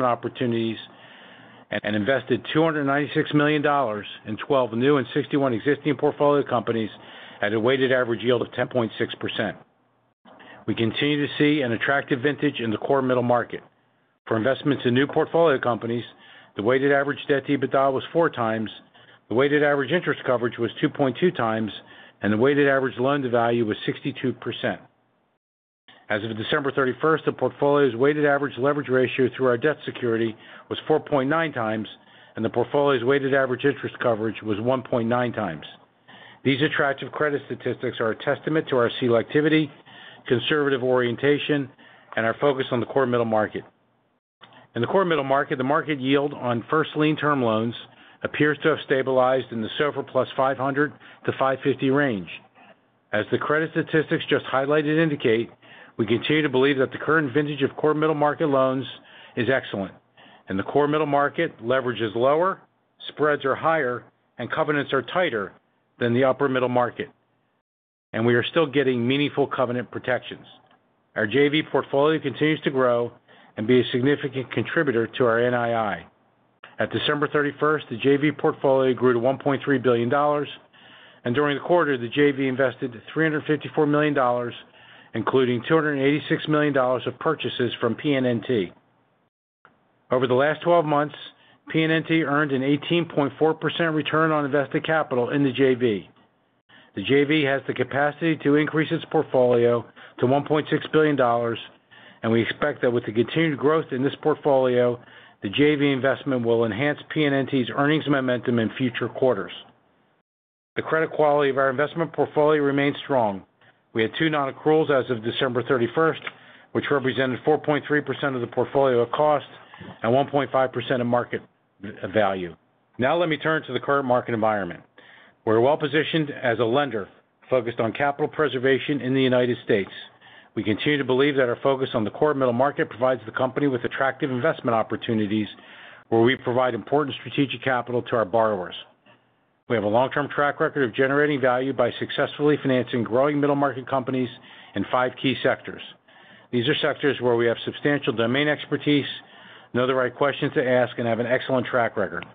Opportunities and invested $296 million in 12 new and 61 existing portfolio companies at a weighted average yield of 10.6%. We continue to see an attractive vintage in the core middle market. For investments in new portfolio companies, the weighted average debt-to-EBITDA was 4x, the weighted average interest coverage was 2.2x, and the weighted average loan-to-value was 62%. As of December 31st, the portfolio's weighted average leverage ratio through our debt security was 4.9x, and the portfolio's weighted average interest coverage was 1.9x. These attractive credit statistics are a testament to our selectivity, conservative orientation, and our focus on the core middle market. In the core middle market, the market yield on first lien term loans appears to have stabilized in the SOFR plus 500-550 range. As the credit statistics just highlighted indicate, we continue to believe that the current vintage of core middle market loans is excellent, and the core middle market leverage is lower, spreads are higher, and covenants are tighter than the upper middle market, and we are still getting meaningful covenant protections. Our JV portfolio continues to grow and be a significant contributor to our NII. At December 31st, the JV portfolio grew to $1.3 billion, and during the quarter, the JV invested $354 million, including $286 million of purchases from PNNT. Over the last 12 months, PNNT earned an 18.4% return on invested capital in the JV. The JV has the capacity to increase its portfolio to $1.6 billion, and we expect that with the continued growth in this portfolio, the JV investment will enhance PNNT's earnings momentum in future quarters. The credit quality of our investment portfolio remains strong. We had two non-accruals as of December 31st, which represented 4.3% of the portfolio cost and 1.5% of market value. Now let me turn to the current market environment. We're well positioned as a lender focused on capital preservation in the United States. We continue to believe that our focus on the core middle market provides the company with attractive investment opportunities where we provide important strategic capital to our borrowers. We have a long-term track record of generating value by successfully financing growing middle market companies in five key sectors. These are sectors where we have substantial domain expertise, know the right questions to ask, and have an excellent track record.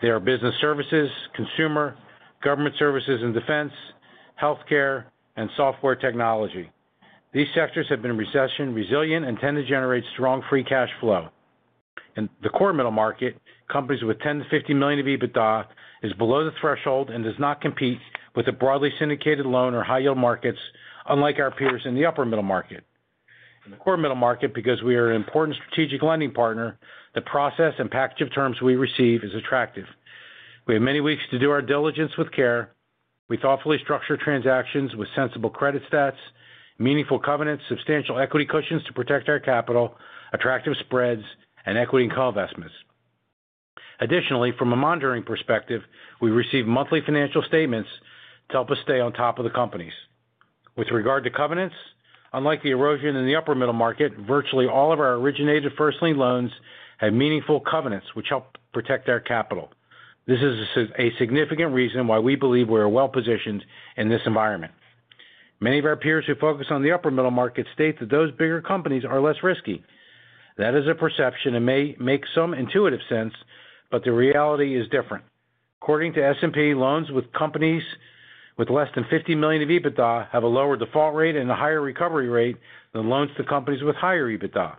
They are business services, consumer, government services and defense, healthcare, and software technology. These sectors have been recession resilient and tend to generate strong free cash flow. In the core middle market, companies with 10-50 million of EBITDA are below the threshold and do not compete with the broadly syndicated loan or high-yield markets, unlike our peers in the upper middle market. In the core middle market, because we are an important strategic lending partner, the process and package of terms we receive is attractive. We have many weeks to do our diligence with care. We thoughtfully structure transactions with sensible credit stats, meaningful covenants, substantial equity cushions to protect our capital, attractive spreads, and equity and co-investments. Additionally, from a monitoring perspective, we receive monthly financial statements to help us stay on top of the companies. With regard to covenants, unlike the erosion in the upper middle market, virtually all of our originated first lien loans have meaningful covenants, which help protect our capital. This is a significant reason why we believe we are well positioned in this environment. Many of our peers who focus on the upper middle market state that those bigger companies are less risky. That is a perception and may make some intuitive sense, but the reality is different. According to S&P, loans to companies with less than $50 million of EBITDA have a lower default rate and a higher recovery rate than loans to companies with higher EBITDA.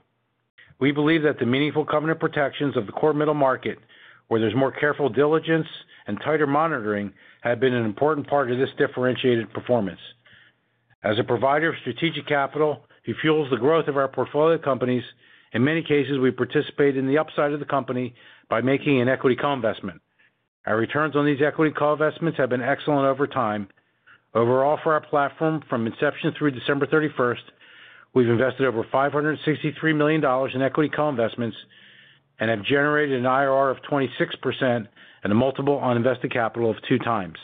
We believe that the meaningful covenant protections of the core middle market, where there's more careful diligence and tighter monitoring, have been an important part of this differentiated performance. As a provider of strategic capital who fuels the growth of our portfolio companies, in many cases, we participate in the upside of the company by making an equity co-investment. Our returns on these equity co-investments have been excellent over time. Overall, for our platform, from inception through December 31st, we've invested over $563 million in equity co-investments and have generated an IRR of 26% and a multiple on invested capital of two times.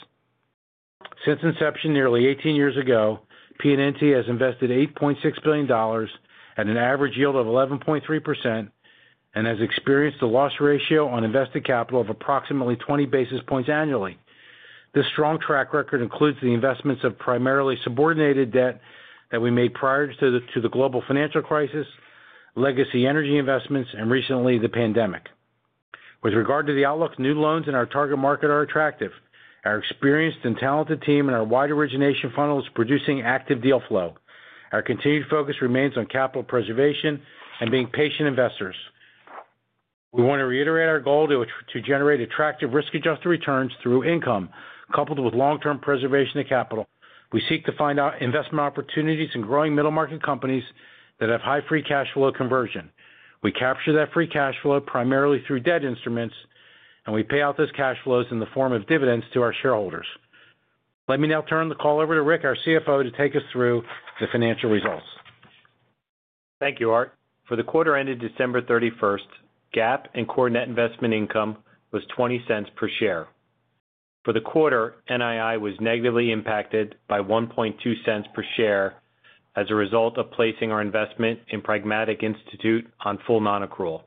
Since inception nearly 18 years ago, PNNT has invested $8.6 billion at an average yield of 11.3% and has experienced a loss ratio on invested capital of approximately 20 basis points annually. This strong track record includes the investments of primarily subordinated debt that we made prior to the global financial crisis, legacy energy investments, and recently the pandemic. With regard to the outlook, new loans in our target market are attractive. Our experienced and talented team and our wide origination funnel is producing active deal flow. Our continued focus remains on capital preservation and being patient investors. We want to reiterate our goal to generate attractive risk-adjusted returns through income coupled with long-term preservation of capital. We seek to find out investment opportunities in growing middle market companies that have high free cash flow conversion. We capture that free cash flow primarily through debt instruments, and we pay out those cash flows in the form of dividends to our shareholders. Let me now turn the call over to Rick, our CFO, to take us through the financial results. Thank you, Art. For the quarter ended December 31st, GAAP and core net investment income was $0.20 per share. For the quarter, NII was negatively impacted by $0.012 per share as a result of placing our investment in Pragmatic Institute on full non-accrual.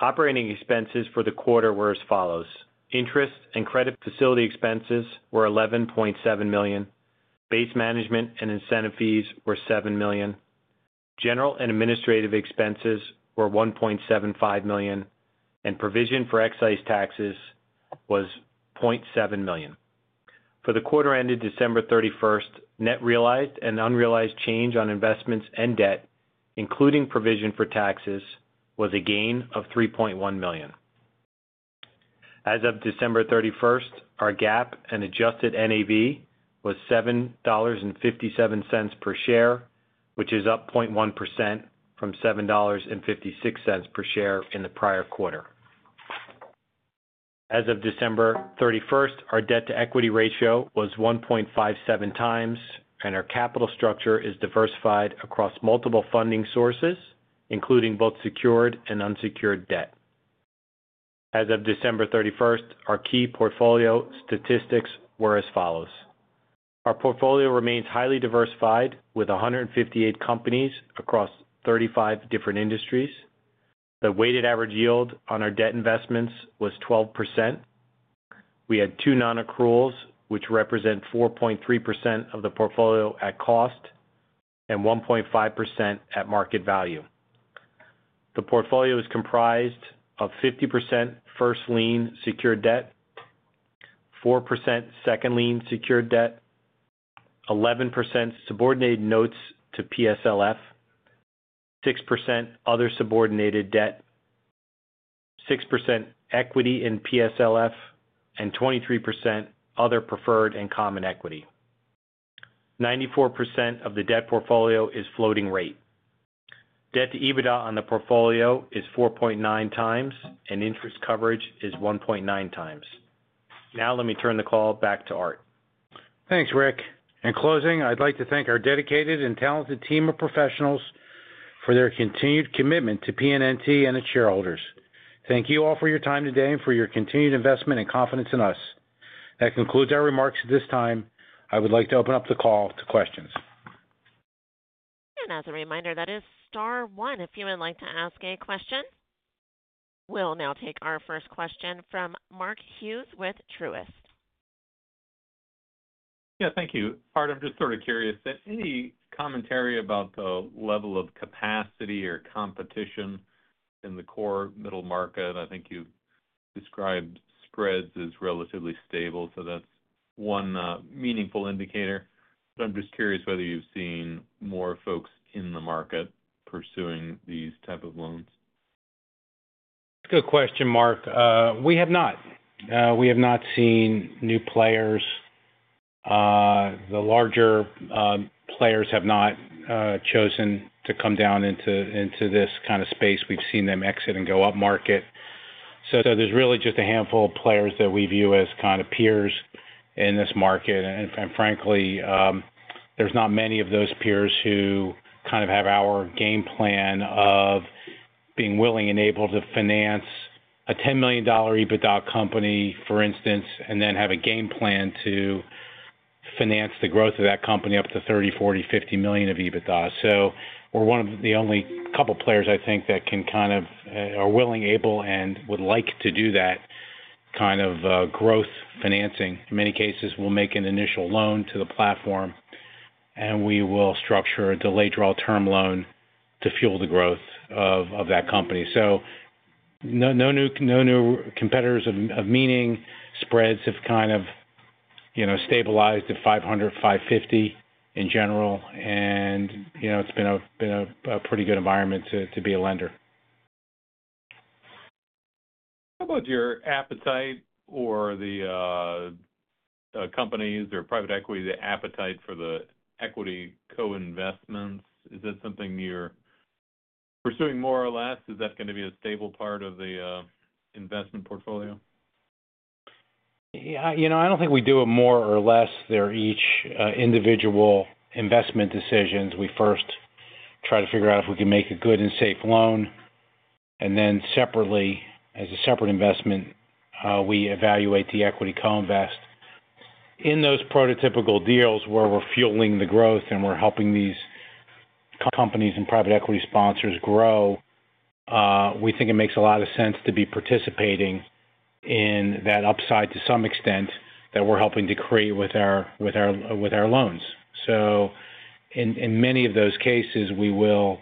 Operating expenses for the quarter were as follows. Interest and credit facility expenses were $11.7 million. Base management and incentive fees were $7 million. General and administrative expenses were $1.75 million, and provision for excise taxes was $0.7 million. For the quarter ended December 31st, net realized and unrealized change on investments and debt, including provision for taxes, was a gain of $3.1 million. As of December 31st, our GAAP and adjusted NAV was $7.57 per share, which is up 0.1% from $7.56 per share in the prior quarter. As of December 31st, our debt-to-equity ratio was 1.57x, and our capital structure is diversified across multiple funding sources, including both secured and unsecured debt. As of December 31st, our key portfolio statistics were as follows. Our portfolio remains highly diversified with 158 companies across 35 different industries. The weighted average yield on our debt investments was 12%. We had two non-accruals, which represent 4.3% of the portfolio at cost and 1.5% at market value. The portfolio is comprised of 50% first lien secured debt, 4% second lien secured debt, 11% subordinated notes to PSLF, 6% other subordinated debt, 6% equity in PSLF, and 23% other preferred and common equity. 94% of the debt portfolio is floating rate. Debt-to-EBITDA on the portfolio is 4.9x, and interest coverage is 1.9x. Now let me turn the call back to Art. Thanks, Rick. In closing, I'd like to thank our dedicated and talented team of professionals for their continued commitment to PNNT and its shareholders. Thank you all for your time today and for your continued investment and confidence in us. That concludes our remarks at this time. I would like to open up the call to questions. And as a reminder, that is Star One. If you would like to ask a question, we'll now take our first question from Mark Hughes with Truist. Yeah, thank you. Art, I'm just sort of curious. Any commentary about the level of capacity or competition in the core middle market? I think you described spreads as relatively stable, so that's one meaningful indicator. But I'm just curious whether you've seen more folks in the market pursuing these types of loans. Good question, Mark. We have not. We have not seen new players. The larger players have not chosen to come down into this kind of space. We've seen them exit and go up market. So there's really just a handful of players that we view as kind of peers in this market. And frankly, there's not many of those peers who kind of have our game plan of being willing and able to finance a $10 million EBITDA company, for instance, and then have a game plan to finance the growth of that company up to 30, 40, 50 million of EBITDA. So we're one of the only couple of players, I think, that can kind of are willing, able, and would like to do that kind of growth financing. In many cases, we'll make an initial loan to the platform, and we will structure a delayed draw term loan to fuel the growth of that company. So no new competitors of meaning. Spreads have kind of stabilized at 500-550 in general, and it's been a pretty good environment to be a lender. How about your appetite or the companies or private equity, the appetite for the equity co-investments? Is that something you're pursuing more or less? Is that going to be a stable part of the investment portfolio? Yeah. I don't think we do it more or less. They're each individual investment decisions. We first try to figure out if we can make a good and safe loan, and then separately, as a separate investment, we evaluate the equity co-invest. In those prototypical deals where we're fueling the growth and we're helping these companies and private equity sponsors grow, we think it makes a lot of sense to be participating in that upside to some extent that we're helping to create with our loans. So in many of those cases, we will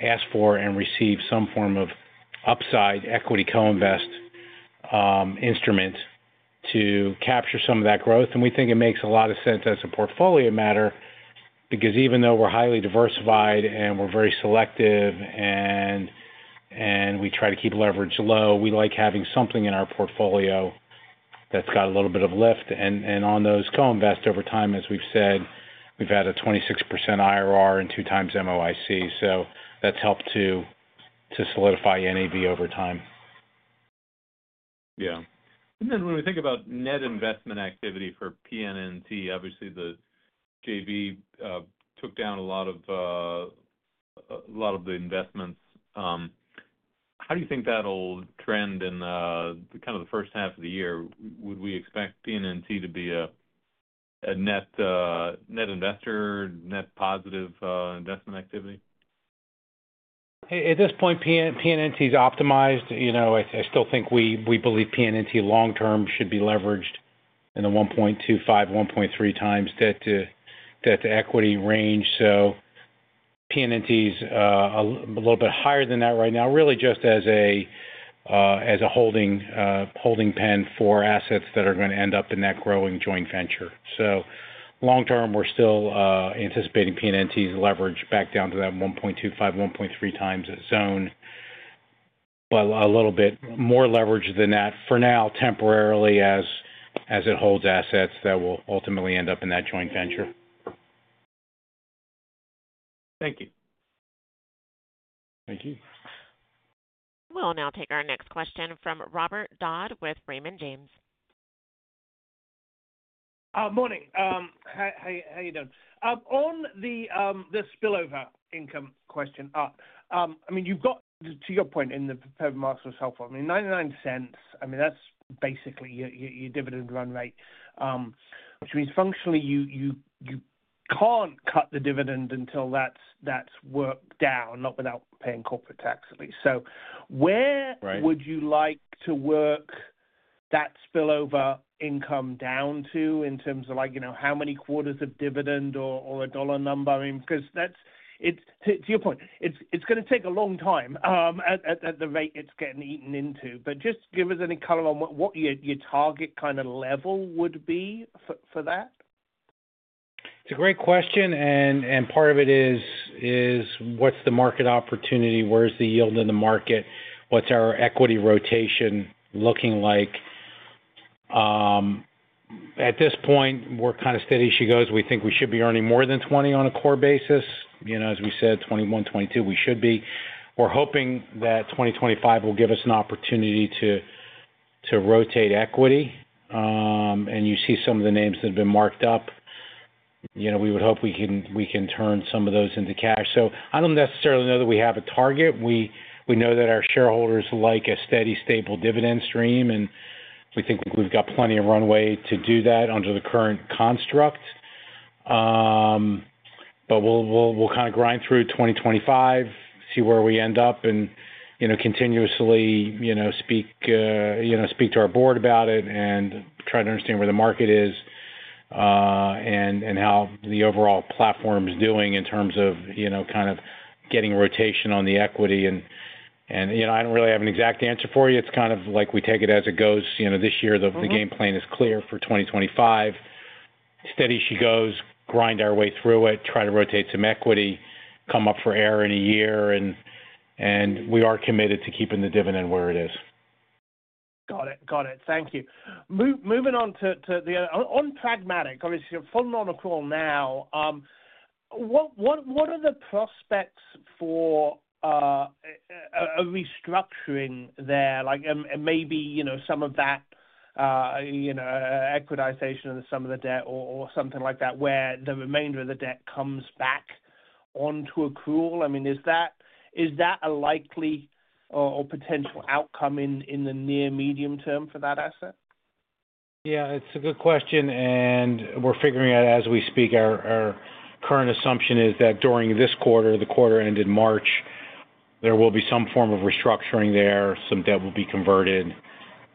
ask for and receive some form of upside equity co-invest instrument to capture some of that growth. And we think it makes a lot of sense as a portfolio matter because even though we're highly diversified and we're very selective and we try to keep leverage low, we like having something in our portfolio that's got a little bit of lift. And on those co-invest over time, as we've said, we've had a 26% IRR and two times MOIC. So that's helped to solidify NAV over time. Yeah. And then when we think about net investment activity for PNNT, obviously the JV took down a lot of the investments. How do you think that'll trend in kind of the first half of the year? Would we expect PNNT to be a net investor, net positive investment activity? At this point, PNNT is optimized. I still think we believe PNNT long-term should be leveraged in the 1.25-1.3x debt-to-equity range. So PNNT is a little bit higher than that right now, really just as a holding pen for assets that are going to end up in that growing joint venture. So long-term, we're still anticipating PNNT's leverage back down to that 1.25-1.3x zone, but a little bit more leverage than that for now temporarily as it holds assets that will ultimately end up in that joint venture. Thank you. Thank you. We'll now take our next question from Robert Dodd with Raymond James. Morning. How are you doing? On the spillover income question, I mean, you've got, to your point, in the PFLT $0.99, I mean, that's basically your dividend run rate, which means functionally you can't cut the dividend until that's worked down, not without paying corporate tax at least. So where would you like to work that spillover income down to in terms of how many quarters of dividend or a dollar number? Because to your point, it's going to take a long time at the rate it's getting eaten into. But just give us any color on what your target kind of level would be for that. It's a great question. And part of it is, what's the market opportunity? Where's the yield in the market? What's our equity rotation looking like? At this point, we're kind of steady as she goes. We think we should be earning more than 20 on a core basis. As we said, 21-22, we should be. We're hoping that 2025 will give us an opportunity to rotate equity. And you see some of the names that have been marked up. We would hope we can turn some of those into cash. So I don't necessarily know that we have a target. We know that our shareholders like a steady, stable dividend stream, and we think we've got plenty of runway to do that under the current construct. But we'll kind of grind through 2025, see where we end up, and continuously speak to our board about it and try to understand where the market is and how the overall platform is doing in terms of kind of getting rotation on the equity. And I don't really have an exact answer for you. It's kind of like we take it as it goes. This year, the game plan is clear for 2025. Steady as she goes, grind our way through it, try to rotate some equity, come up for air in a year. And we are committed to keeping the dividend where it is. Got it. Got it. Thank you. Moving on to the other on Pragmatic, obviously, full non-accrual now. What are the prospects for a restructuring there, maybe some of that equitization and some of the debt or something like that where the remainder of the debt comes back onto accrual? I mean, is that a likely or potential outcome in the near medium term for that asset? Yeah, it's a good question. And we're figuring out as we speak. Our current assumption is that during this quarter, the quarter ended March, there will be some form of restructuring there. Some debt will be converted,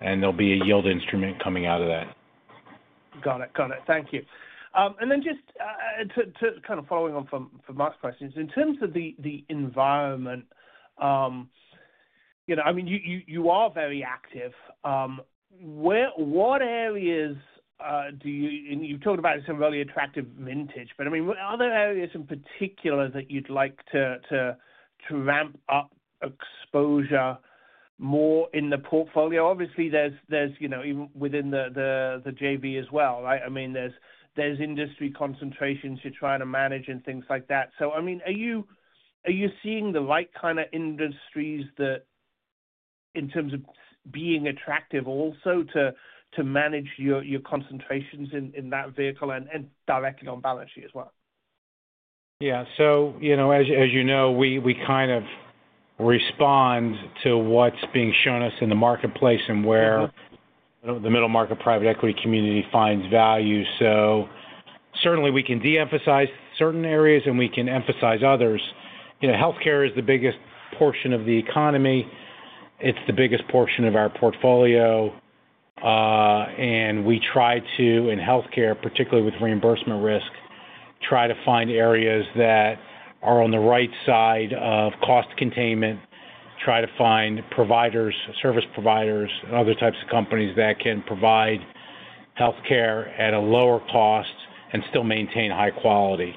and there'll be a yield instrument coming out of that. Got it. Got it. Thank you. And then just to kind of follow on from Mark's questions, in terms of the environment, I mean, you are very active. What areas do you and you've talked about some really attractive vintage, but I mean, are there areas in particular that you'd like to ramp up exposure more in the portfolio? Obviously, there's even within the JV as well, right? I mean, there's industry concentrations you're trying to manage and things like that. So I mean, are you seeing the right kind of industries in terms of being attractive also to manage your concentrations in that vehicle and directly on balance sheet as well? Yeah. So as you know, we kind of respond to what's being shown us in the marketplace and where the middle market private equity community finds value. So certainly, we can de-emphasize certain areas, and we can emphasize others. Healthcare is the biggest portion of the economy. It's the biggest portion of our portfolio. And we try to, in healthcare, particularly with reimbursement risk, try to find areas that are on the right side of cost containment, try to find providers, service providers, and other types of companies that can provide healthcare at a lower cost and still maintain high quality.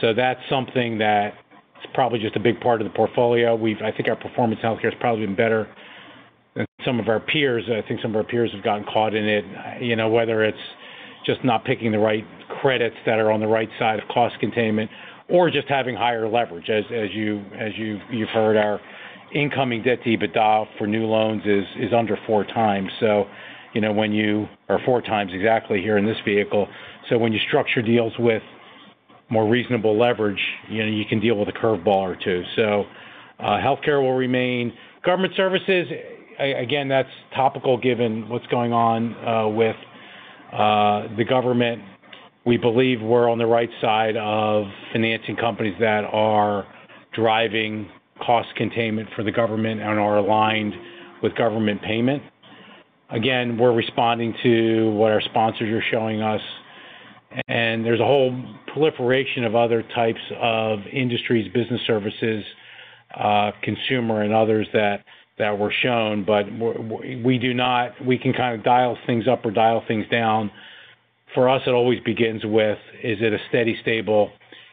So that's something that's probably just a big part of the portfolio. I think our performance in healthcare has probably been better than some of our peers. I think some of our peers have gotten caught in it, whether it's just not picking the right credits that are on the right side of cost containment or just having higher leverage. As you've heard, our incoming debt-to-EBITDA for new loans is under four times or four times exactly here in this vehicle. So when you structure deals with more reasonable leverage, you can deal with a curveball or two. So healthcare will remain. Government services, again, that's topical given what's going on with the government. We believe we're on the right side of financing companies that are driving cost containment for the government and are aligned with government payment. Again, we're responding to what our sponsors are showing us. And there's a whole proliferation of other types of industries, business services, consumer, and others that were shown. But we can kind of dial things up or dial things down. For us, it always begins with, is it a steady, stable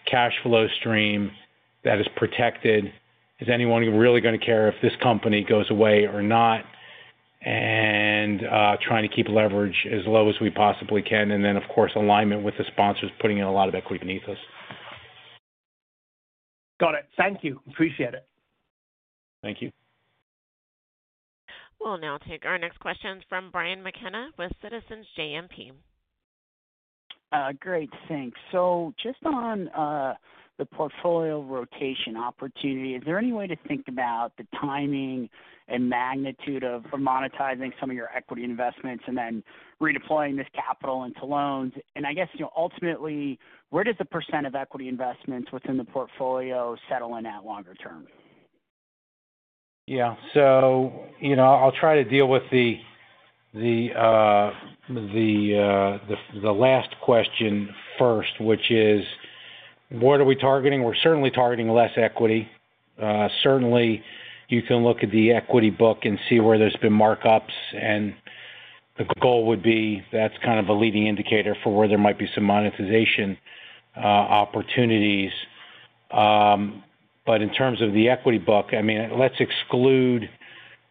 cash flow stream that is protected? Is anyone really going to care if this company goes away or not? And trying to keep leverage as low as we possibly can. And then, of course, alignment with the sponsors putting in a lot of equity beneath us. Got it. Thank you. Appreciate it. Thank you. We'll now take our next question from Brian McKenna with Citizens JMP. Great. Thanks. So just on the portfolio rotation opportunity, is there any way to think about the timing and magnitude of monetizing some of your equity investments and then redeploying this capital into loans? And I guess ultimately, where does the percent of equity investments within the portfolio settle in at longer term? Yeah, so I'll try to deal with the last question first, which is, what are we targeting? We're certainly targeting less equity. Certainly, you can look at the equity book and see where there's been markups, and the goal would be that's kind of a leading indicator for where there might be some monetization opportunities, but in terms of the equity book, I mean, let's exclude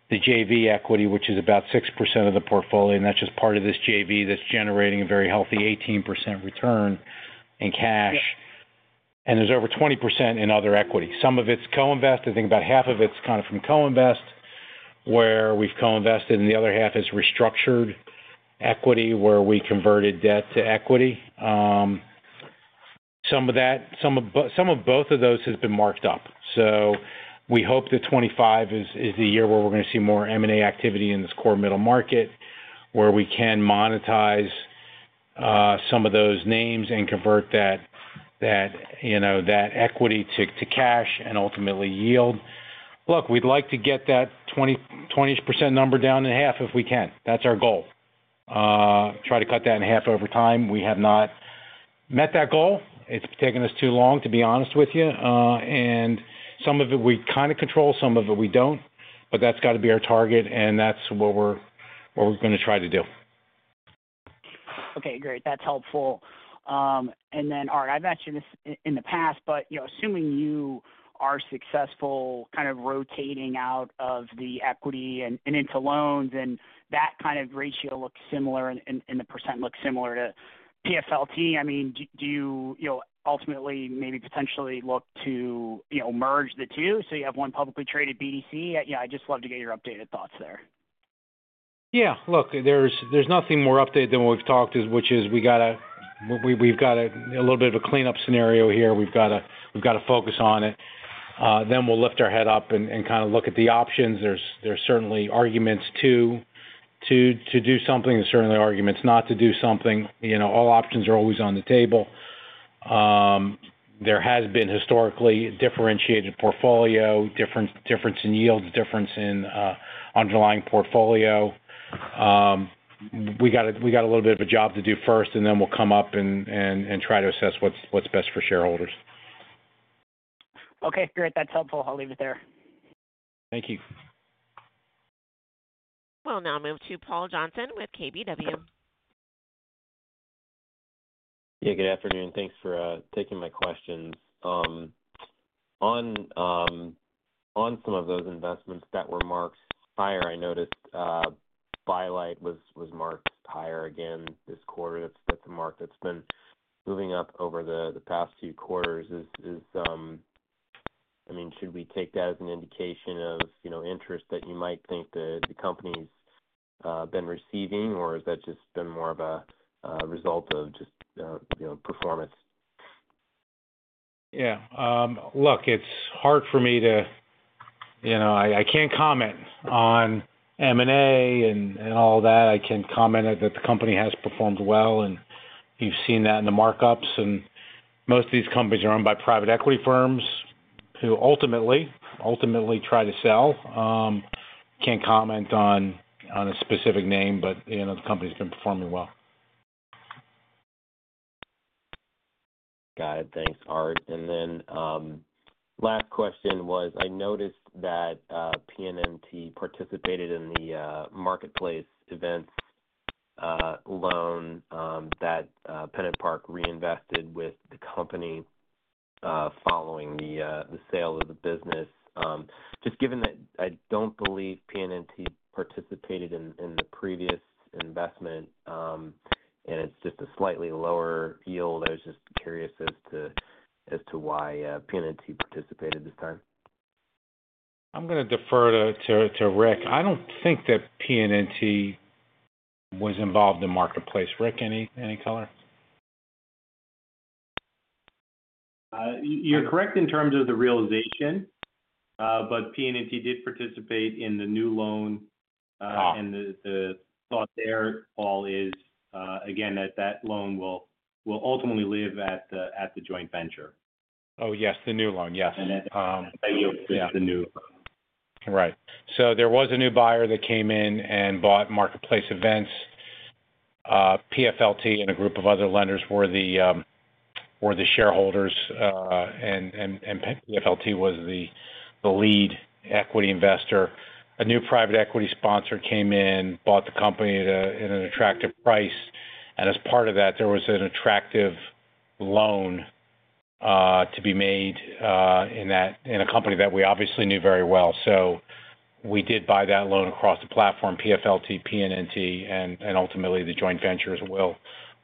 the JV equity, which is about 6% of the portfolio, and that's just part of this JV that's generating a very healthy 18% return in cash, and there's over 20% in other equity. Some of it's co-invested. I think about half of it's kind of from co-invest where we've co-invested, and the other half is restructured equity where we converted debt to equity. Some of that, some of both of those has been marked up. So we hope that 2025 is the year where we're going to see more M&A activity in this core middle market where we can monetize some of those names and convert that equity to cash and ultimately yield. Look, we'd like to get that 20% number down in half if we can. That's our goal. Try to cut that in half over time. We have not met that goal. It's taken us too long, to be honest with you. And some of it we kind of control, some of it we don't. But that's got to be our target, and that's what we're going to try to do. Okay. Great. That's helpful and then, all right, I've mentioned this in the past, but assuming you are successful kind of rotating out of the equity and into loans and that kind of ratio looks similar and the percent looks similar to PFLT, I mean, do you ultimately maybe potentially look to merge the two so you have one publicly traded BDC. I'd just love to get your updated thoughts there. Yeah. Look, there's nothing more updated than what we've talked, which is we've got a little bit of a cleanup scenario here. We've got to focus on it. Then we'll lift our head up and kind of look at the options. There's certainly arguments to do something and certainly arguments not to do something. All options are always on the table. There has been historically differentiated portfolio, difference in yields, difference in underlying portfolio. We got a little bit of a job to do first, and then we'll come up and try to assess what's best for shareholders. Okay. Great. That's helpful. I'll leave it there. Thank you. We'll now move to Paul Johnson with KBW. Yeah. Good afternoon. Thanks for taking my questions. On some of those investments that were marked higher, I noticed By Light was marked higher again this quarter. That's a mark that's been moving up over the past few quarters. I mean, should we take that as an indication of interest that you might think the company's been receiving, or has that just been more of a result of just performance? Yeah. Look, it's hard for me to. I can't comment on M&A and all that. I can comment that the company has performed well, and you've seen that in the markups, and most of these companies are owned by private equity firms who ultimately try to sell. Can't comment on a specific name, but the company's been performing well. Got it. Thanks, Art. And then last question was, I noticed that PNNT participated in the Marketplace Events loan that PennantPark reinvested with the company following the sale of the business. Just given that I don't believe PNNT participated in the previous investment, and it's just a slightly lower yield, I was just curious as to why PNNT participated this time. I'm going to defer to Rick. I don't think that PNNT was involved in the marketplace. Rick, any color? You're correct in terms of the realization, but PNNT did participate in the new loan. And the thought there overall is, again, that that loan will ultimately live at the joint venture. Oh, yes. The new loan, yes. That's the new. Right, so there was a new buyer that came in and bought Marketplace Events. PFLT and a group of other lenders were the shareholders, and PFLT was the lead equity investor. A new private equity sponsor came in, bought the company at an attractive price, and as part of that, there was an attractive loan to be made in a company that we obviously knew very well, so we did buy that loan across the platform, PFLT, PNNT, and ultimately the joint venture as well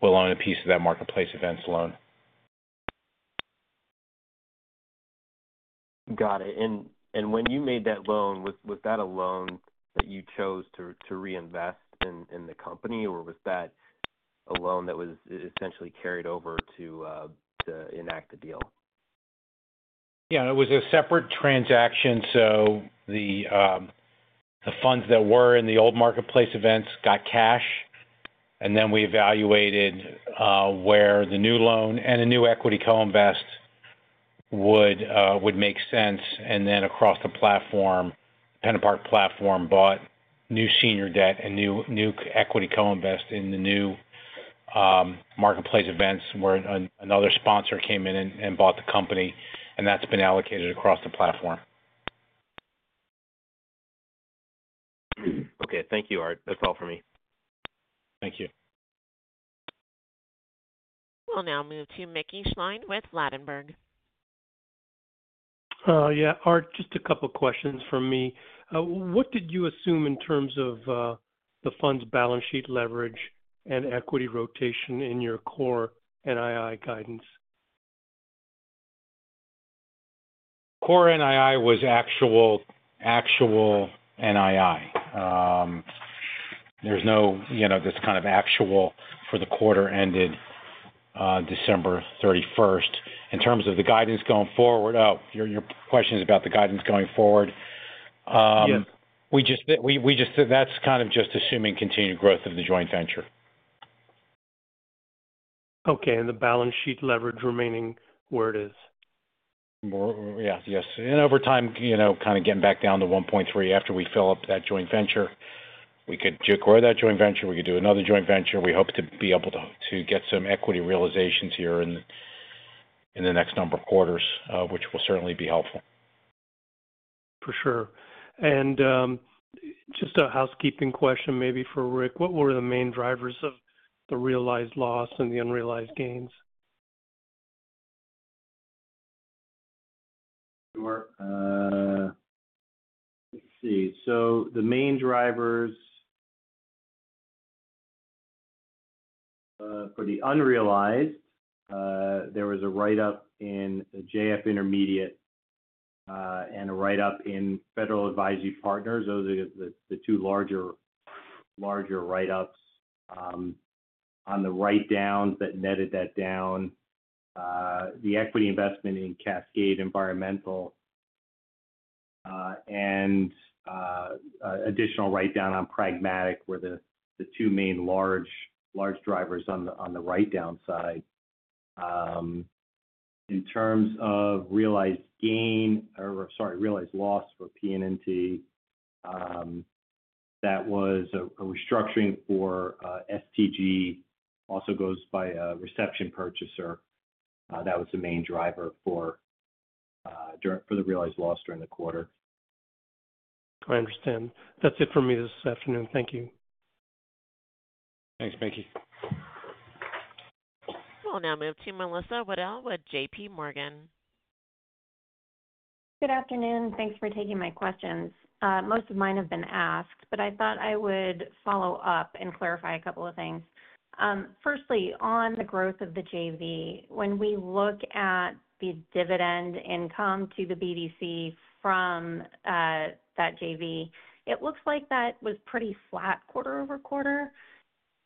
will own a piece of that Marketplace Events loan. Got it. And when you made that loan, was that a loan that you chose to reinvest in the company, or was that a loan that was essentially carried over to enact the deal? Yeah. It was a separate transaction. So the funds that were in the old Marketplace Events got cash. And then we evaluated where the new loan and a new equity co-invest would make sense. And then across the platform, PennantPark platform bought new senior debt and new equity co-invest in the new Marketplace Events where another sponsor came in and bought the company. And that's been allocated across the platform. Okay. Thank you, Art. That's all for me. Thank you. We'll now move to Mickey Schleien with Ladenburg. Yeah. Art, just a couple of questions from me. What did you assume in terms of the fund's balance sheet leverage and equity rotation in your core NII guidance? Core NII was actual NII. There's no, this is kind of actual for the quarter ended December 31st. In terms of the guidance going forward, oh, your question is about the guidance going forward. We just said that's kind of just assuming continued growth of the joint venture. Okay. And the balance sheet leverage remaining where it is? Yeah. Yes. And over time, kind of getting back down to 1.3 after we fill up that joint venture. We could work away that joint venture. We could do another joint venture. We hope to be able to get some equity realizations here in the next number of quarters, which will certainly be helpful. For sure. And just a housekeeping question maybe for Rick. What were the main drivers of the realized loss and the unrealized gains? Sure. Let's see. The main drivers for the unrealized, there was a write-up in JF Intermediate and a write-up in Federal Advisory Partners. Those are the two larger write-ups. On the write-downs that netted that down, the equity investment in Cascade Environmental and additional write-down on Pragmatic were the two main large drivers on the write-down side. In terms of realized gain or, sorry, realized loss for PNNT, that was a restructuring for STG, also goes by Reception Purchaser. That was the main driver for the realized loss during the quarter. I understand. That's it for me this afternoon. Thank you. Thanks, Mickey. We'll now move to Melissa Wedel with J.P. Morgan. Good afternoon. Thanks for taking my questions. Most of mine have been asked, but I thought I would follow up and clarify a couple of things. Firstly, on the growth of the JV, when we look at the dividend income to the BDC from that JV, it looks like that was pretty flat quarter over quarter,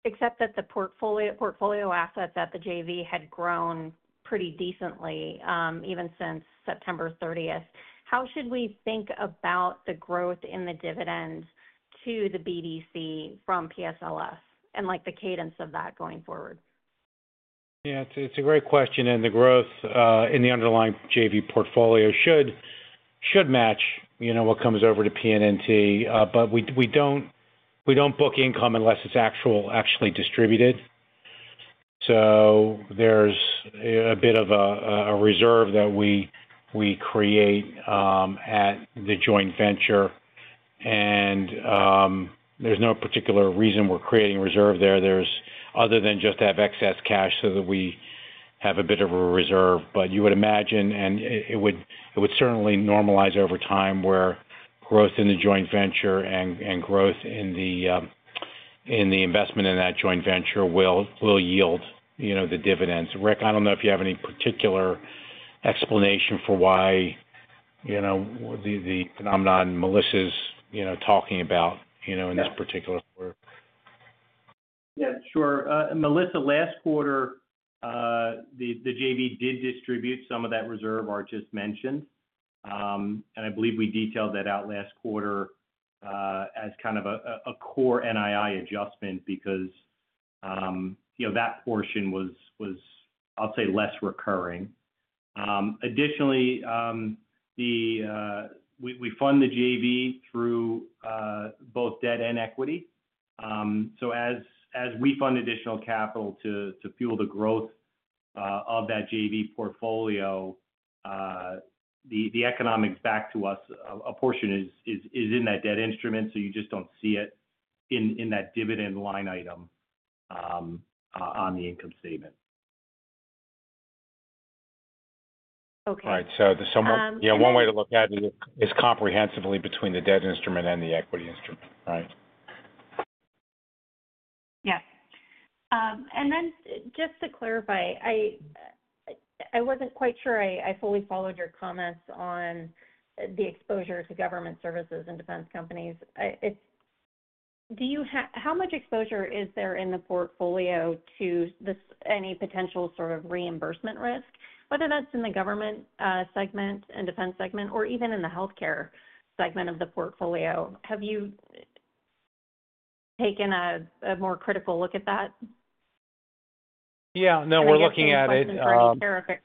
except that the portfolio assets at the JV had grown pretty decently even since September 30th. How should we think about the growth in the dividend to the BDC from PSLF and the cadence of that going forward? Yeah. It's a great question, and the growth in the underlying JV portfolio should match what comes over to PNNT, but we don't book income unless it's actually distributed, so there's a bit of a reserve that we create at the joint venture, and there's no particular reason we're creating a reserve there other than just to have excess cash so that we have a bit of a reserve, but you would imagine, and it would certainly normalize over time where growth in the joint venture and growth in the investment in that joint venture will yield the dividends. Rick, I don't know if you have any particular explanation for why the phenomenon Melissa's talking about in this particular quarter. Yeah. Sure. Melissa, last quarter, the JV did distribute some of that reserve Art just mentioned. And I believe we detailed that out last quarter as kind of a core NII adjustment because that portion was, I'll say, less recurring. Additionally, we fund the JV through both debt and equity. So as we fund additional capital to fuel the growth of that JV portfolio, the economics back to us, a portion is in that debt instrument, so you just don't see it in that dividend line item on the income statement. Okay. All right, so yeah, one way to look at it is comprehensively between the debt instrument and the equity instrument, right? Yes. And then just to clarify, I wasn't quite sure I fully followed your comments on the exposure to government services and defense companies. How much exposure is there in the portfolio to any potential sort of reimbursement risk, whether that's in the government segment and defense segment or even in the healthcare segment of the portfolio? Have you taken a more critical look at that? Yeah. No, we're looking at it. Tariff exposure?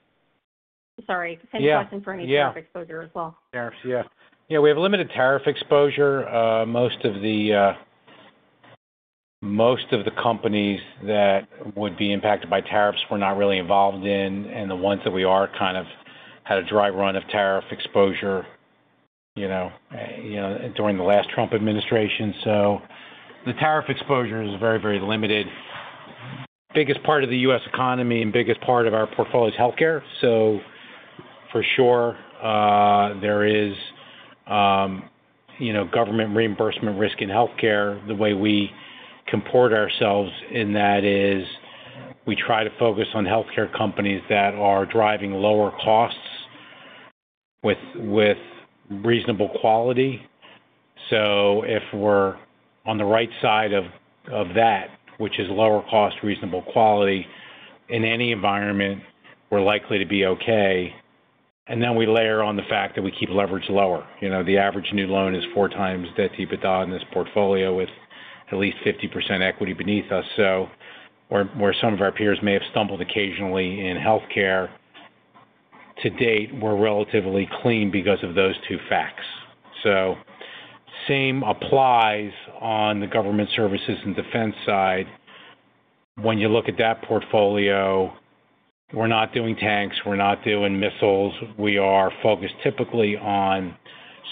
Sorry. Same question for any tariff exposure as well. Tariffs, yeah. Yeah. We have limited tariff exposure. Most of the companies that would be impacted by tariffs were not really involved in, and the ones that we are kind of had a dry run of tariff exposure during the last Trump administration. So the tariff exposure is very, very limited. Biggest part of the U.S. economy and biggest part of our portfolio is healthcare. So for sure, there is government reimbursement risk in healthcare. The way we comport ourselves in that is we try to focus on healthcare companies that are driving lower costs with reasonable quality. So if we're on the right side of that, which is lower cost, reasonable quality in any environment, we're likely to be okay. And then we layer on the fact that we keep leverage lower. The average new loan is four times debt-to-EBITDA in this portfolio with at least 50% equity beneath us. So where some of our peers may have stumbled occasionally in healthcare, to date, we're relatively clean because of those two facts. So same applies on the government services and defense side. When you look at that portfolio, we're not doing tanks. We're not doing missiles. We are focused typically on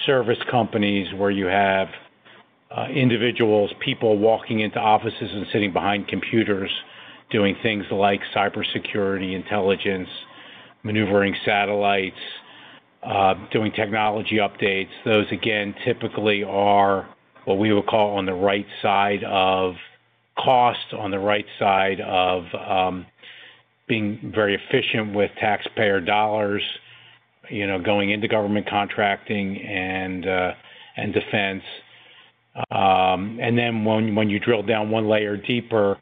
service companies where you have individuals, people walking into offices and sitting behind computers doing things like cybersecurity, intelligence, maneuvering satellites, doing technology updates. Those, again, typically are what we would call on the right side of cost, on the right side of being very efficient with taxpayer dollars going into government contracting and defense. And then when you drill down one layer deeper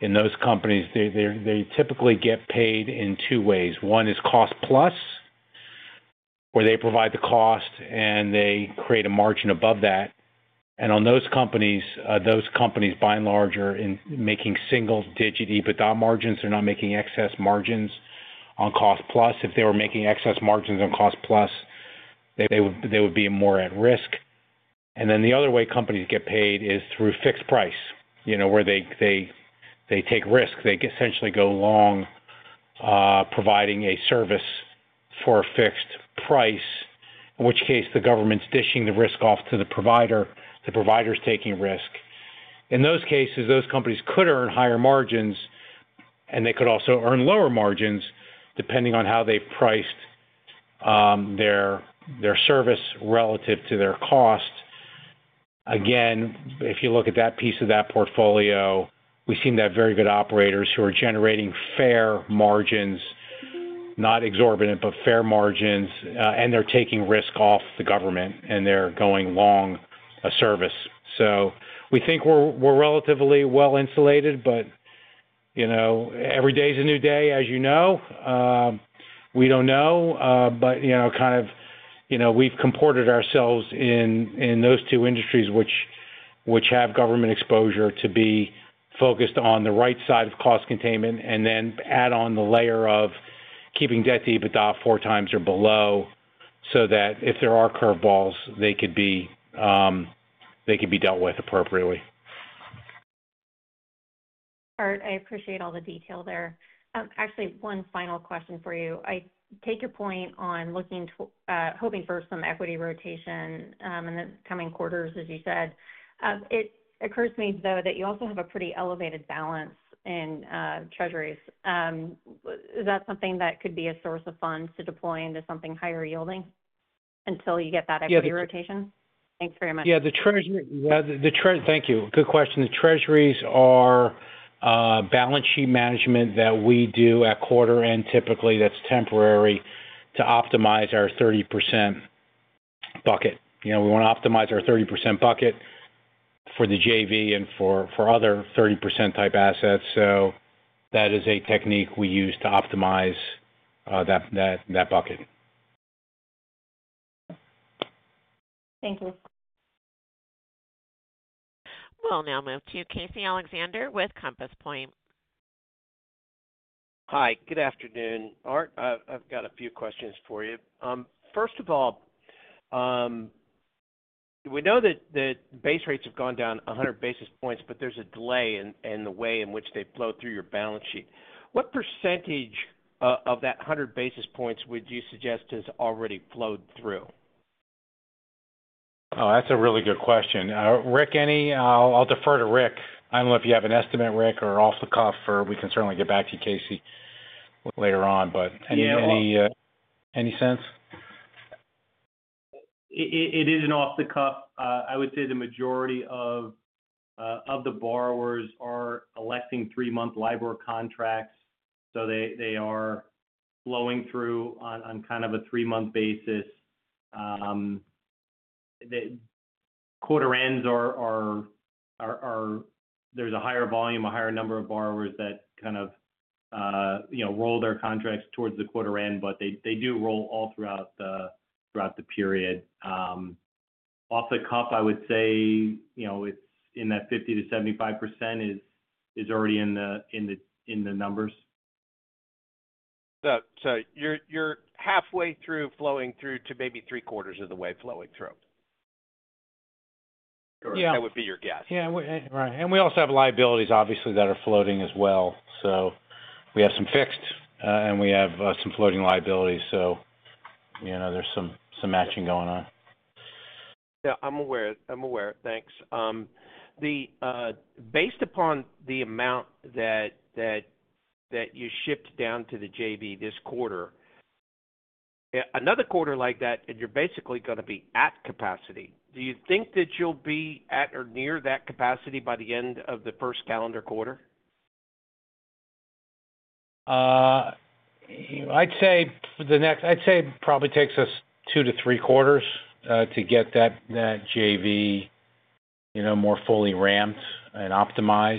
in those companies, they typically get paid in two ways. One is cost-plus, where they provide the cost and they create a margin above that. And on those companies, those companies by and large are making single-digit EBITDA margins. They're not making excess margins on cost-plus. If they were making excess margins on cost-plus, they would be more at risk. And then the other way companies get paid is through fixed price, where they take risk. They essentially go long providing a service for a fixed price, in which case the government's dishing the risk off to the provider. The provider's taking risk. In those cases, those companies could earn higher margins, and they could also earn lower margins depending on how they've priced their service relative to their cost. Again, if you look at that piece of that portfolio, we seem to have very good operators who are generating fair margins, not exorbitant, but fair margins. And they're taking risk off the government, and they're going long a service. So we think we're relatively well-insulated, but every day is a new day, as you know. We don't know, but kind of we've comported ourselves in those two industries which have government exposure to be focused on the right side of cost containment and then add on the layer of keeping debt-to-EBITDA four times or below so that if there are curveballs, they could be dealt with appropriately. Art, I appreciate all the detail there. Actually, one final question for you. I take your point on hoping for some equity rotation in the coming quarters, as you said. It occurs to me, though, that you also have a pretty elevated balance in Treasuries. Is that something that could be a source of funds to deploy into something higher yielding until you get that equity rotation? Yes. Thanks very much. Yeah. Thank you. Good question. The Treasuries are balance sheet management that we do at quarter end typically. That's temporary to optimize our 30% bucket. We want to optimize our 30% bucket for the JV and for other 30%-type assets. So that is a technique we use to optimize that bucket. Thank you. We'll now move to Casey Alexander with Compass Point. Hi. Good afternoon. Art, I've got a few questions for you. First of all, we know that base rates have gone down 100 basis points, but there's a delay in the way in which they flow through your balance sheet. What percentage of that 100 basis points would you suggest has already flowed through? Oh, that's a really good question. Rick, I'll defer to Rick. I don't know if you have an estimate, Rick, or off the cuff, or we can certainly get back to you, Casey, later on, but any sense? It isn't off the cuff. I would say the majority of the borrowers are electing three-month LIBOR contracts, so they are flowing through on kind of a three-month basis. Quarter ends, there's a higher volume, a higher number of borrowers that kind of roll their contracts towards the quarter end, but they do roll all throughout the period. Off the cuff, I would say it's in that 50%-75% is already in the numbers. So you're halfway through flowing through to maybe three-quarters of the way flowing through? Correct. That would be your guess. Yeah. Right. And we also have liabilities, obviously, that are floating as well. So we have some fixed, and we have some floating liabilities. So there's some matching going on. Yeah. I'm aware. I'm aware. Thanks. Based upon the amount that you shipped down to the JV this quarter, another quarter like that, and you're basically going to be at capacity, do you think that you'll be at or near that capacity by the end of the first calendar quarter? I'd say for the next it probably takes us two to three quarters to get that JV more fully ramped and optimized.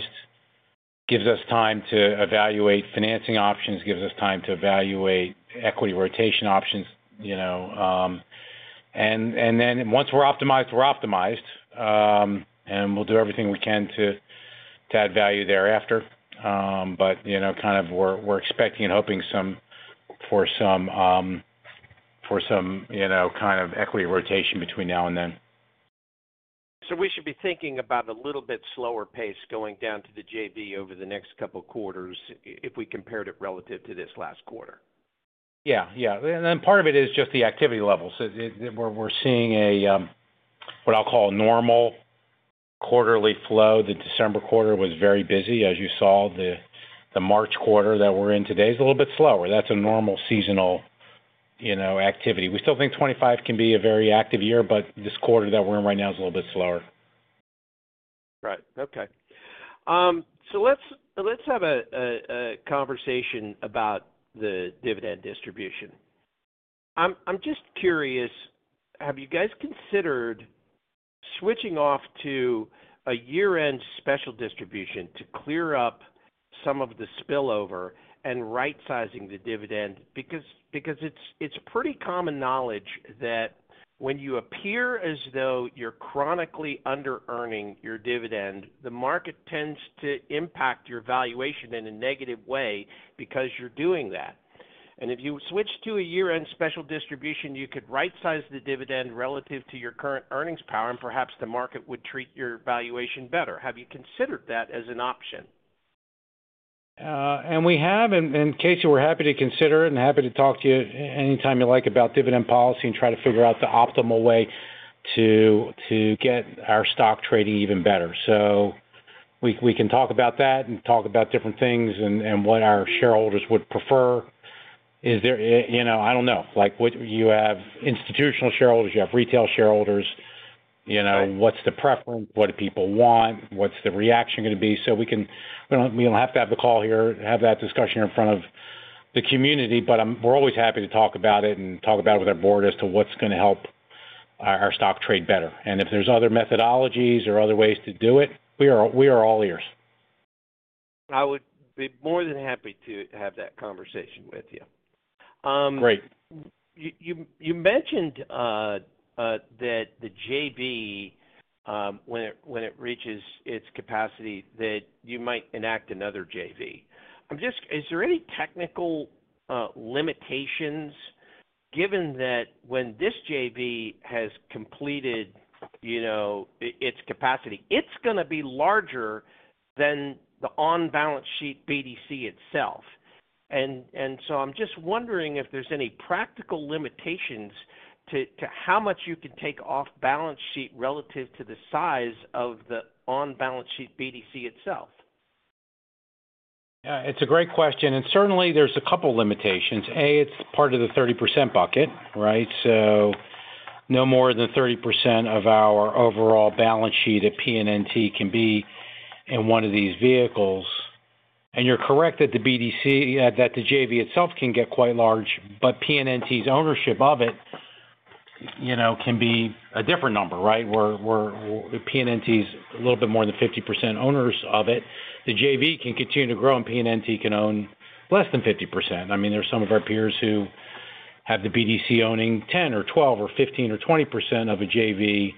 It gives us time to evaluate financing options. It gives us time to evaluate equity rotation options. And then once we're optimized, we're optimized, and we'll do everything we can to add value thereafter. But kind of we're expecting and hoping for some kind of equity rotation between now and then. So we should be thinking about a little bit slower pace going down to the JV over the next couple of quarters if we compared it relative to this last quarter. Yeah. Yeah. And then part of it is just the activity levels. We're seeing what I'll call normal quarterly flow. The December quarter was very busy, as you saw. The March quarter that we're in today is a little bit slower. That's a normal seasonal activity. We still think 2025 can be a very active year, but this quarter that we're in right now is a little bit slower. Right. Okay. So let's have a conversation about the dividend distribution. I'm just curious, have you guys considered switching off to a year-end special distribution to clear up some of the spillover and right-sizing the dividend? Because it's pretty common knowledge that when you appear as though you're chronically under-earning your dividend, the market tends to impact your valuation in a negative way because you're doing that. And if you switch to a year-end special distribution, you could right-size the dividend relative to your current earnings power, and perhaps the market would treat your valuation better. Have you considered that as an option? Casey, we're happy to consider it and happy to talk to you anytime you like about dividend policy and try to figure out the optimal way to get our stock trading even better. So we can talk about that and talk about different things and what our shareholders would prefer. I don't know. You have institutional shareholders. You have retail shareholders. What's the preference? What do people want? What's the reaction going to be? So we don't have to have the call here, have that discussion in front of the community, but we're always happy to talk about it and talk about it with our board as to what's going to help our stock trade better. And if there's other methodologies or other ways to do it, we are all ears. I would be more than happy to have that conversation with you. Great. You mentioned that the JV, when it reaches its capacity, that you might enact another JV. Is there any technical limitations given that when this JV has completed its capacity, it's going to be larger than the on-balance sheet BDC itself? And so I'm just wondering if there's any practical limitations to how much you can take off balance sheet relative to the size of the on-balance sheet BDC itself. Yeah. It's a great question. And certainly, there's a couple of limitations. A, it's part of the 30% bucket, right? So no more than 30% of our overall balance sheet at PNNT can be in one of these vehicles. And you're correct that the JV itself can get quite large, but PNNT's ownership of it can be a different number, right? PNNT is a little bit more than 50% owners of it. The JV can continue to grow, and PNNT can own less than 50%. I mean, there's some of our peers who have the BDC owning 10%, 12%, 15%, or 20% of a JV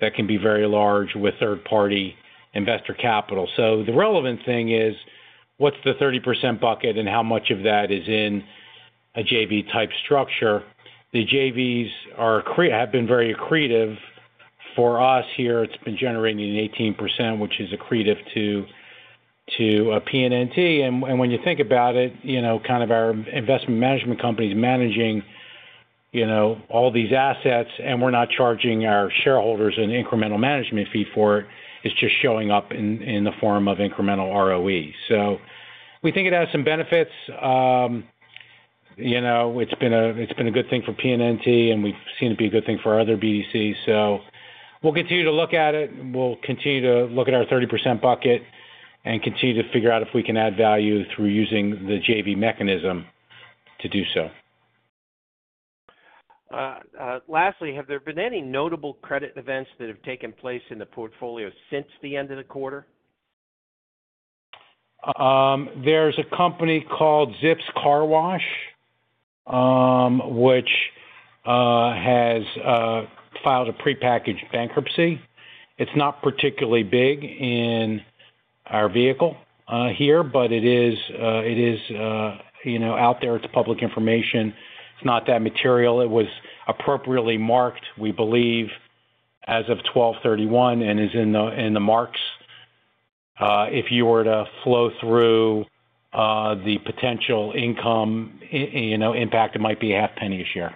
that can be very large with third-party investor capital. So the relevant thing is, what's the 30% bucket, and how much of that is in a JV-type structure? The JVs have been very accretive. For us here, it's been generating 18%, which is accretive to PNNT. And when you think about it, kind of our investment management company is managing all these assets, and we're not charging our shareholders an incremental management fee for it. It's just showing up in the form of incremental ROE. So we think it has some benefits. It's been a good thing for PNNT, and we've seen it be a good thing for other BDCs. So we'll continue to look at it. We'll continue to look at our 30% bucket and continue to figure out if we can add value through using the JV mechanism to do so. Lastly, have there been any notable credit events that have taken place in the portfolio since the end of the quarter? There's a company called Zips Car Wash, which has filed a prepackaged bankruptcy. It's not particularly big in our portfolio here, but it is out there. It's public information. It's not that material. It was appropriately marked, we believe, as of 12/31 and is in the marks. If you were to flow through the potential income impact, it might be $0.005 a share.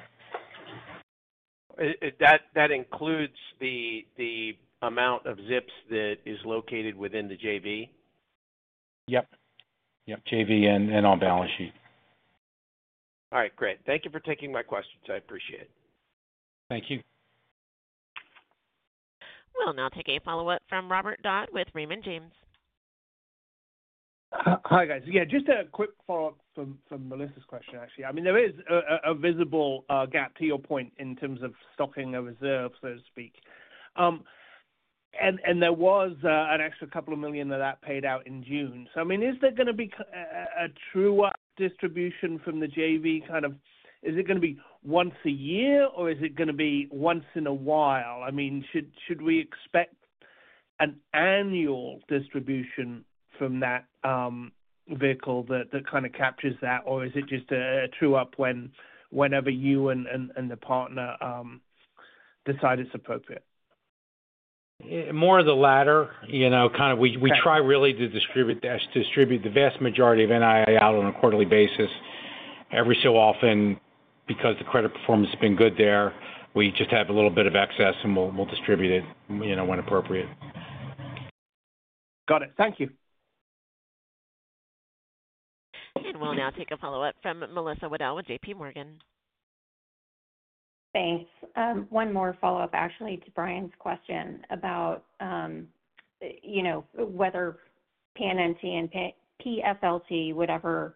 That includes the amount of Zips that is located within the JV? Yep. Yep. JV and on-balance sheet. All right. Great. Thank you for taking my questions. I appreciate it. Thank you. We'll now take a follow-up from Robert Dodd with Raymond James. Hi, guys. Yeah. Just a quick follow-up from Melissa's question, actually. I mean, there is a visible gap, to your point, in terms of stocking a reserve, so to speak. And there was an extra couple of million that paid out in June. So, I mean, is there going to be a true-up distribution from the JV? Kind of, is it going to be once a year, or is it going to be once in a while? I mean, should we expect an annual distribution from that vehicle that kind of captures that, or is it just a true-up whenever you and the partner decide it's appropriate? More of the latter. Kind of, we try really to distribute the vast majority of NII out on a quarterly basis every so often because the credit performance has been good there. We just have a little bit of excess, and we'll distribute it when appropriate. Got it. Thank you. We'll now take a follow-up from Melissa Wedel with J.P. Morgan. Thanks. One more follow-up, actually, to Brian's question about whether PNNT and PFLT would ever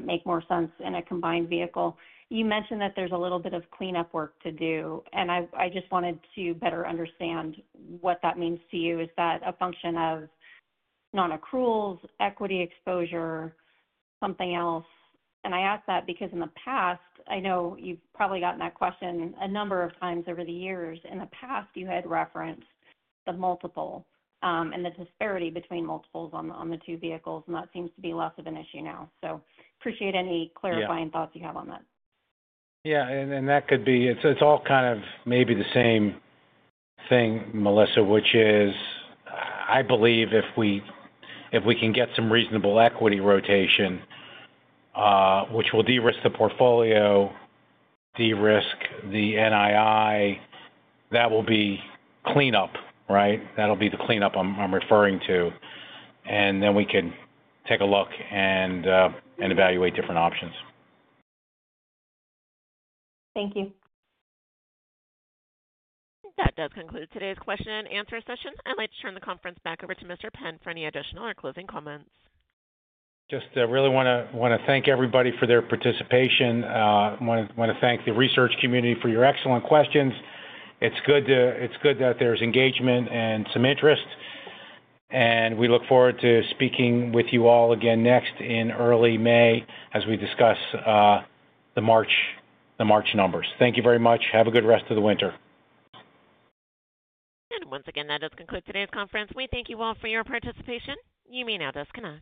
make more sense in a combined vehicle. You mentioned that there's a little bit of cleanup work to do, and I just wanted to better understand what that means to you. Is that a function of non-accruals, equity exposure, something else? And I ask that because in the past, I know you've probably gotten that question a number of times over the years. In the past, you had referenced the multiple and the disparity between multiples on the two vehicles, and that seems to be less of an issue now. So appreciate any clarifying thoughts you have on that. Yeah. And that could be it's all kind of maybe the same thing, Melissa, which is, I believe if we can get some reasonable equity rotation, which will de-risk the portfolio, de-risk the NII, that will be cleanup, right? That'll be the cleanup I'm referring to. And then we can take a look and evaluate different options. Thank you. That does conclude today's question and answer session. I'd like to turn the conference back over to Mr. Penn for any additional or closing comments. Just really want to thank everybody for their participation. I want to thank the research community for your excellent questions. It's good that there's engagement and some interest. And we look forward to speaking with you all again next in early May as we discuss the March numbers. Thank you very much. Have a good rest of the winter. Once again, that does conclude today's conference. We thank you all for your participation. You may now disconnect.